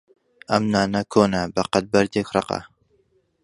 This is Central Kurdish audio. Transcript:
ئەم نانە کۆنە بەقەد بەردێک ڕەقە.